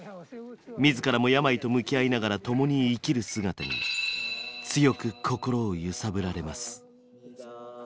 自らも病と向き合いながら共に生きる姿に強く心を揺さぶられます。